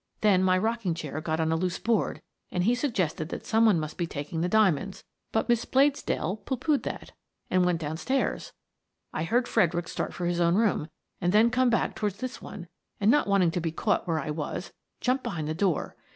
Then my rocking chair got on a loose board and he suggested that some one must be taking the diamonds, but Miss Bladesdell pooh poohed that and went down stairs. I heard Fredericks start for his own room and then come back toward this one, and, not wanting to be caught where I was, jumped be hind the door.